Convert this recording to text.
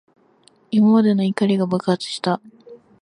今までの怒りが爆発した。